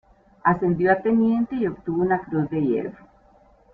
Ascendió a teniente y obtuvo una Cruz de Hierro.